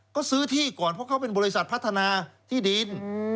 ก็ซื้อที่ก่อนเพราะเขาเป็นบริษัทพัฒนาที่ดิน